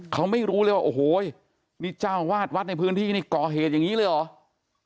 เขาไม่รู้เลยว่าโอ้โหนี่เจ้าวาดวัดในพื้นที่นี่ก่อเหตุอย่างนี้เลยเหรอ